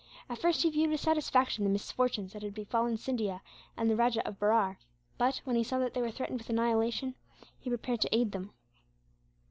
At first he viewed with satisfaction the misfortunes that had befallen Scindia and the Rajah of Berar but, when he saw that they were threatened with annihilation, he prepared to aid them.